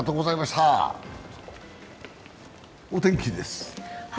お天気です。